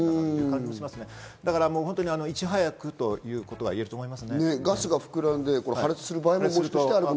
ですから、いち早くということが言えると思います。